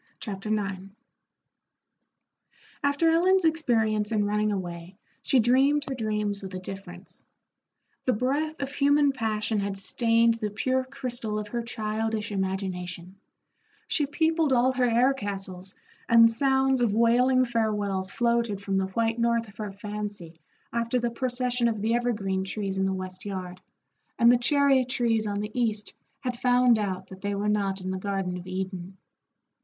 Chapter IX After Ellen's experience in running away, she dreamed her dreams with a difference. The breath of human passion had stained the pure crystal of her childish imagination; she peopled all her air castles, and sounds of wailing farewells floated from the White North of her fancy after the procession of the evergreen trees in the west yard, and the cherry trees on the east had found out that they were not in the Garden of Eden.